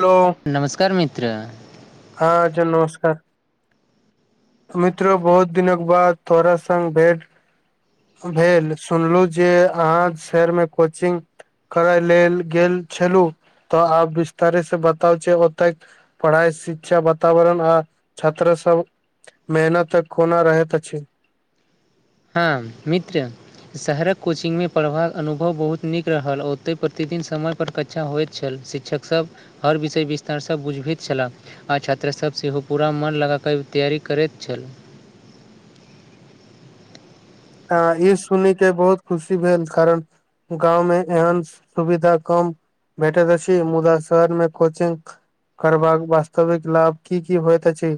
Hello नमस्कार मित्र हँ [inaudible] नमस्कार मित्रो बहुत दिनक बाद थोड़ा संगङ्ग भेंट भेल सुनल जे अहाँ शहरमे कोचिंग करय लेल गेल छलू तऽ आब बिस्तारे से बताउ छै ओतय पढ़ाइ शिक्षा वातावरण आ छात्रा सब मेहनत तक कोना रहैत अछि हँ मित्र शहरक कोचिंगमे पढ़बाक अनुभव बहुत नीक रहल ओतऽ प्रतिदिन समय परर कक्षा होइत छल शिक्षकसभ हर विषय विस्तारसँ बुझबैत छलाह आ छात्रासभ सेहो पूरा मन लगाकऽ तैयारी करैत छल अ ई सुनि के बहुत खुशी भेल कारण गाँवमे एहन सुविधा कम भैटेत अछि मुदा शहरमे कोचिंग करबाक वास्तविक लाभ की की होयत अछि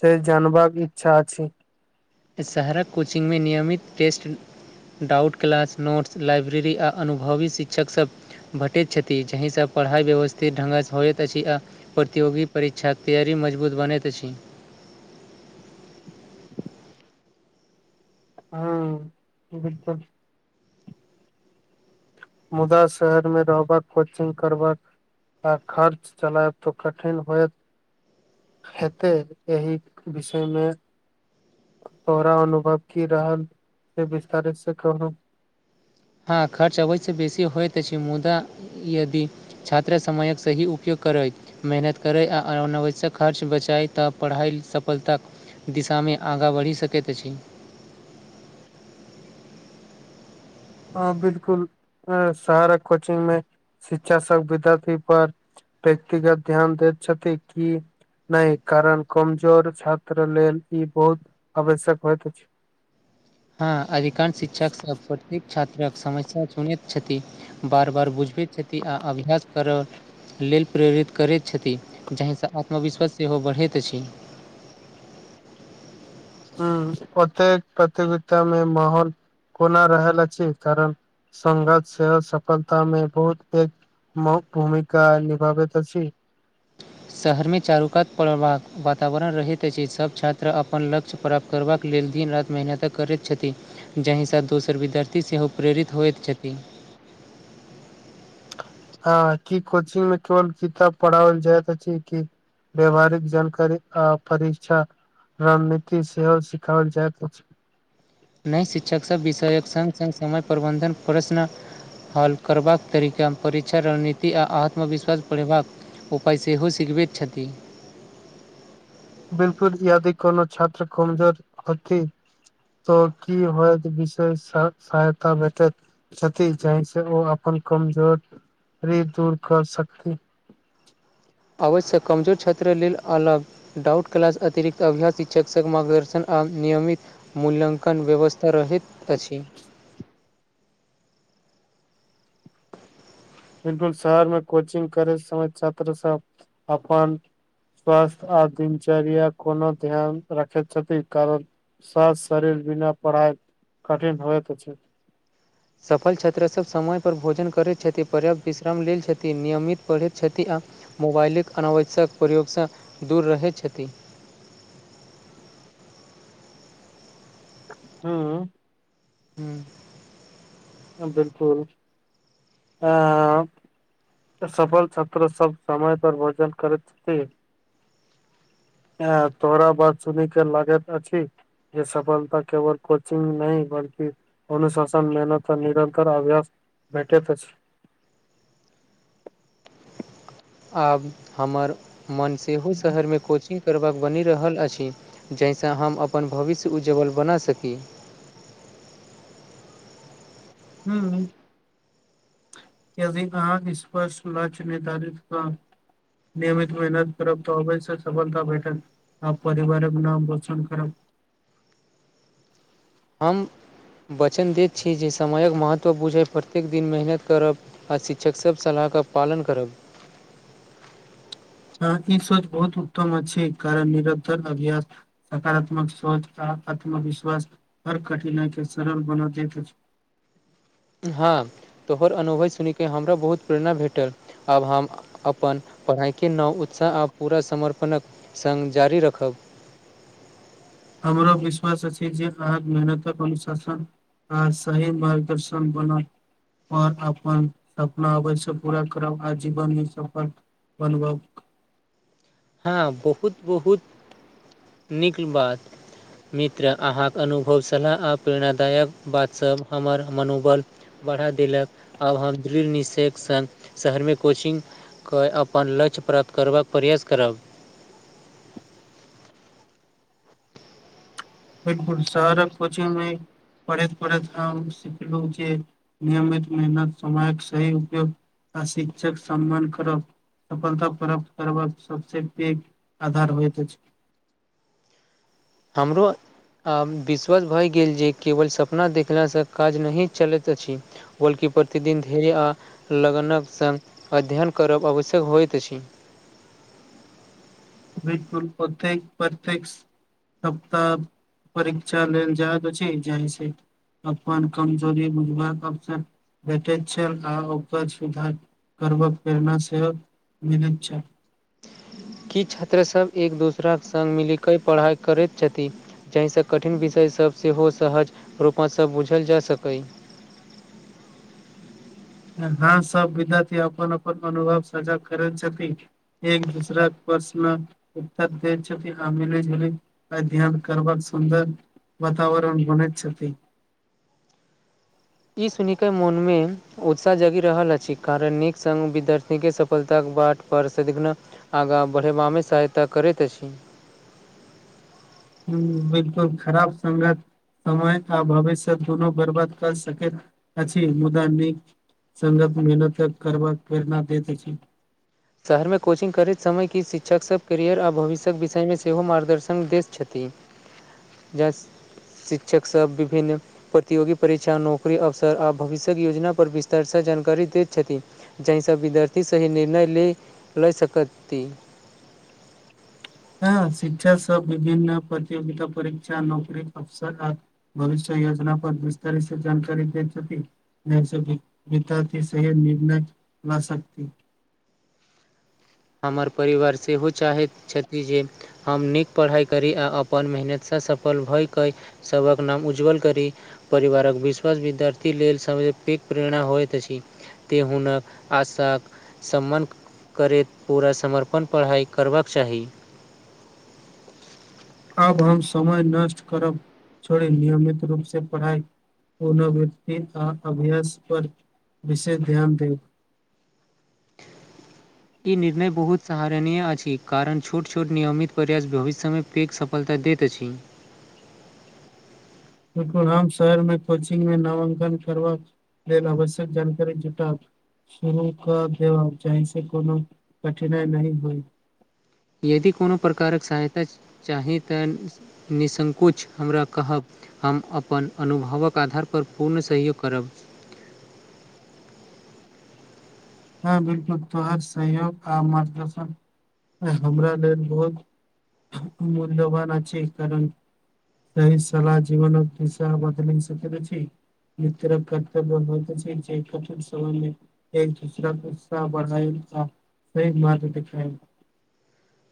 से जबाक इच्छा अछि शहरक कोचिंग मे नियमित test doubt class notes library आ अनुभवी शिक्षकसभ भेटैत छथि जाहिसँ पढ़ाइ व्यवस्थित ढङ्गसँ होइत अछि आ प्रतियोगी परीक्षाक तैयारी मजबूत बनैत अछि हँ मुदा शहर मे रहबाक कोचिंग करबाक आ खर्च चलायब तो कठिन होयत हेतै एहि विषय मे तोरा अनुभव की रहल से विस्तारि से कहू हँ खर्च अबैसँ बेसी होइत अछि मुदा यदि छात्रा समयक सही उपयोग करति मेहनत करै आ अनावश्यक खर्च बचाय तऽ पढ़ाइ सफलता दिशा मे आगाँ बढ़ि सकैत अछि हँ बिलकुल शहरक कोचिंग मे शिक्षा सब विद्यार्थी पर व्यक्तिगत ध्यान दति छथि कि नय कारण कमजोर छात्र लेल ई बहुत आवश्यक होइत अछि हँ अधिकांश शिक्षक सब [unintelligible] प्रतेक छात्रक समस्या सुुनति छथि बार बार बुझबति छथि आ अभ्यास करब लेल प्रेरित करति छथि जाहिसँ आत्मविश्वास सेहो बढ़ति अछि हुं ओतेक प्रतियोगिता मे माहौल कोना रहल अछि कारण संगत सेहो सफलता मे बहुत पेग भूमिका निभाबति अछि शहर मे चारूकात परबाक वातावरण रहति अछि सभ छात्र अपन लक्ष्य प्राप्त करबाक लेल दिन रात मेहनत करति छथि जाहिसँ दोसर विद्यार्थी सेहो प्रेरित होइत छथि हँ की कोचिंग मे केवल किताब पढ़ाओल जाइत अछि कि व्यवहारिक जानकारी आ परीक्षा रणनीति सेहो सिखाओल जाइत अछि नहि शिक्षक सब विषयक संग संग समय प्रबन्धन प्रशन हल करबाक तरीका परीक्षा रणनीति आ आत्मविश्वास पढ़बाक उपाय सेहो सिखबैत छथि बिल्कुल यादि कोनो छत्र कमजोरअथि तऽ की होयत विषय सहायता भेटैत छथि जहिसँ ओ अपन कमजोरी दूर क सकती अवश्य कमजोर क्षेत्र लेल अलग डाउट क्लास अतिरिक्त अभ्यास शिक्षक मार्गदर्शन आ नियमित मूल्ययंकन व्यवस्था तऽ रहैत अछि एक डोल शहर मे कोचिंग करै समय छत्र सब अपन स्वास्थ्य आ दिनचर्या कोनो ध्यान राखैत छथि कारण स्वास शरीर बिना पढ़ाइ कठिन होय त अछी सफल छात्र स समय पर भोजन करैत छथि पर्याप्त विश्राम लेल छथि नियमित पढ़ैत छथि आ। मोबाइलक अनवश्यक प्रयोगसँ दूर रहै छथि। हँ। हूँ। बिल्कुल हँ। सफल छत्र सब समय पर भोजन करैत छथि। एँ तोरा बर सुनै के लागैत अछी। ये सफलता केवल कोचिंग नहि बलकि अनुशासन मेहनत। त निरन्कर अभ्यास भेटैत अछि। आब हमर मन सेहो शहरमे कोचिंग करबाक बनि रहल अछि जाहिसँ हम अपन भविष्य उज्जवल बना सकी। हूँ। यदि अहाँ सपष्ट लक्ष्य निर्धारित क नियमित मेहनत करब त अवश्य सफलता भेटत। आ परिवारक नाम रोशन करब हम वचन दैत छी जे समयक महत्व बुझै प्रत्येक दिन मेहनत करब आ शिक्षक सब सलाह क पालन करब हँ ई सोच बहुत उत्तम अछि छै कारण निरकधर अभ्यास सकारात्मक सोच आ आत्मविश्वास हर कठिनाइ के सरल बना देत अछि हँ तोहर अनुभव सुनि के हमरो बहुत प्रेरणा भेटल। आब हम अपन पढ़ाइ के नव उत्साह आ पूरा समर्पणक संग जारी रखब हमरो विश्वास अछि जे राहत मेहनतक अनुशासन। ह सही मार्गदर्शन बनल आओर अपन सपना आबय स पूरा करब आजीवन मे सफल अनुभव हँ बहुत बहुत नीक बात मित्र अहाँ के अनुभव सलाह आओ प्रेरणादायक बात सभ हमर मनोबल बढ़ा देलक आब हम दृढ़ निश्चयक संग शहर मे कोचिंग कय अपन लक्ष्य प्राप्त करबाक प्रयास करब एक घुरासारक कोचिंग मे पढेत पढेत हम सीखलहु जे नियमित मेहनत समयक सही उपयोग आ शिक्षक सम्मान करब सफलता प्राप्त करबाक सबसे पैग आधार होइत अछि हमरो आ विश्वास भए गेल जे केवल सपना देखलासँ काज नहि चलति अछि बल्कि प्रतिदिन धैर्य आ लगनक संग अध्ययन करब आवश्यक होइत अछि बिलकुल प्रत्येक प्रत्येक सप्ताह परीक्षा लेल जेऽय के छै एजेंसी अपन कमजोरी बुझबाक अवसर भेटति छलि आ ओकर सुधार करबक प्रेरणा सेहो मिलति छल की छात्रसभ एक दोसराक सङ्ग मिलि कऽ पढ़ाइ करति छथि जाहिसँ कठिन विषय सभ सेहो सहज रूपऽ सँ बूझल जा सकै हँ सब बिधक या अपन अपन अनुभव साझा करै छथि एक दूसराक प्रशन उतर दति छथि आ मिली जूली अध्ययन करबाक सुन्दर वातावरण बुनति छथि ई सुनि क मोन मे उत्साह जगि रहल अछि कारण नीक संग विद्यार्थी के सफलताके बाट पर सदिखन आगा बढ़ेबा मे सहायता करति अछि हूं बिलकुल खराब संगत समय आ भविष्य दुनु बर्बक कर सकति अछि मुदा निक संगत मेहनत करमा करिणा दति अछि शहर मे कोचिंग करति समय कि शिक्षक सभ कैरियर आ भविष्यक विषय मे सेहो मार्गदर्शन दति छथि [inaudible] यस शिक्षक सभ विभिन्न प्रतियोगी परीक्षा नौकरी अवसर आ भविष्यक योजना पर विस्तार जानकारी दति छथि जहिसँ विद्यार्थी सही निर्णय लय लै सकती ह शिक्षा सब विभिन्न प्रतियोगिता परीक्षा नौकरी अवसर रा भविष्य योजना पर विस्तर स जानकारी दैछथी विद्यार्थी सह निर्ण ल सक। [unintelligible] हमर परिवार सेहो चाहैत छथि जे। हम नीक पढ़ाइ करी आ अपन मेहनतसँ सफल भयकय सबहक नाम उज्ज्वल करी। परिवारक विश्वास विद्यार्थी लेल सम पी प्रेरणा होइत अछी ते हुनक आशक सम्मन करैत। पूरा समर्पण पढ़ाइ करबक चाही। अब हम समय नष्ट करब छोड़े नियमित रूप से पढ़ाइ। कोनो व्यक्ति आ अभ्यस पर विशे ध्यान देब ई निर्णय बहुत सहारनीय अछि कारण छोट छोट नियमित प्रयास भविष्यमे पीक सब फल तऽ दैत अछि। बकु राम शहर मे कोचिंग मे नामांकन करबा [unintelligible] आवश्यक जानकारी जुटाफ शुरू क देबाक चाहि से कोनो कठिनाइ नही होइ। यदि कोनो प्रकारक सहायता चाही तऽ निसंकोच हमरा कहब। हम अपन अनुभवक आधारपर पूर्ण सहयोग करब। हँ बिल्कुल तोहर सहयोग आ मार्गदर्शन हमरा लेल बहुत। मूल्यवान छै करण। तई सलाह जीवन पिसा बदल सकैत अछी। तरफ कर्तव्य [unintelligible] जे कठीन समय मे [unintelligible] बढ़ायल आ मारग देखायल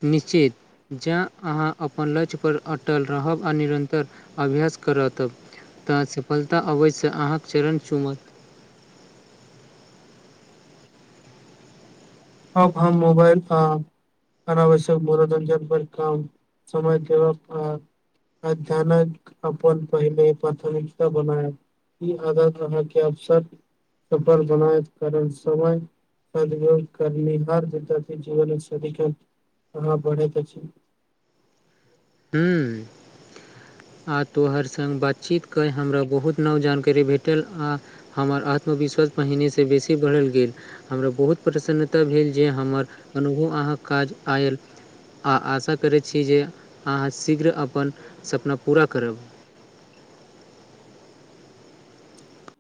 निश्चित जँ अहाँ अपन लक्ष पर अटल रहब आ निरन्तर अभ्यास कर तब। तऽ सफलता अबैसँ अहाँके चरण चुमत अब हम मोबाइल तऽ। अनावश्यक मनोरञ्जन पर काम समय देव परत अच्यानक अपन पहिले प्राथमिकता बनाय। ई आदात रहाँके अवसर। सफल बनाय कारण समय प [unintelligible] कम [unintelligible] जीवन मे सदीखन आगा बढ़ैत अछि। हुॅं आ तोहर संग बातचीत कय हमरा बहुत नव जानकारी भेटल आ। हमर आत्मविश्वास पहिनेसँ बेसी बढ़ल गेल। हमरा बहुत प्रसन्नता भेल जे हमर अनुभव अहाँके काज आयल। आ आशा करै‌ छी जे अहाँ शीघ्र अपन सपना पूरा करब।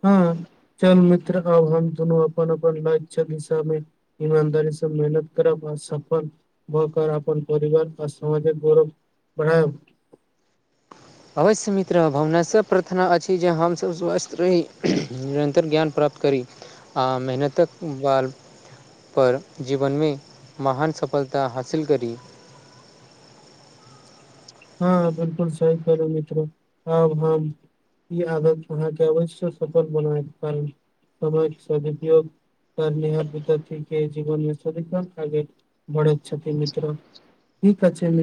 हँ चलु मित्र आब हम दुनू अपन अपन लाक चलिसामे। ईमानदारीसँ मेहनत करब आओर सफल। भकर अपन परिवार आ समामाजिक गौरव बढ़ब। अवश्य मित्र भावनासँ प्रार्थना अछि जे हमसभब स्वस्थ रही निरन्तर ज्ञान प्राप्त करी आ मेहनतक बाल पर जीवनमे महान सफलता हासिल करी हँ बिलकुल सही कहलीयै मित्र आब हम ई आदत अहाँके अवश्य सफल बनाय पर समयके सदुपयोग [unintelligible] जीवन मे स बढ़ैत छथि मित्र [unintelligible]